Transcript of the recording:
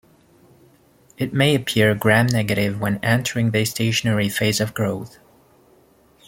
It may appear Gram-negative when entering the stationary phase of growth.